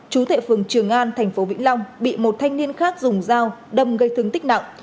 chú thệ phường trường an thành phố vĩnh long bị một thanh niên khác dùng dao đâm gây thương tích nặng